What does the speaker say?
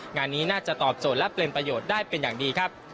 งานนี้น่าจะตอบโจทย์และเป็นประโยชน์ได้เป็นอย่างดีครับ